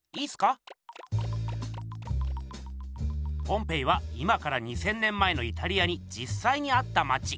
ポンペイは今から２，０００年前のイタリアにじっさいにあったまち。